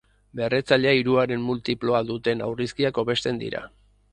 Berretzailea hiruaren multiploa duten aurrizkiak hobesten dira.